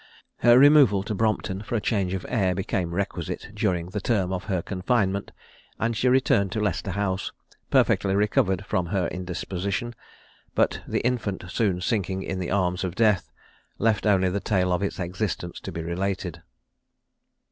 Her removal to Brompton for a change of air became requisite during the term of her confinement; and she returned to Leicester house, perfectly recovered from her indisposition; but the infant soon sinking in the arms of death, left only the tale of its existence to be related.